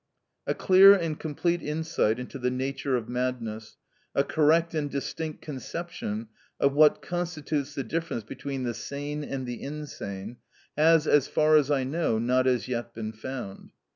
(50) A clear and complete insight into the nature of madness, a correct and distinct conception of what constitutes the difference between the sane and the insane, has, as far as I know, not as yet been found.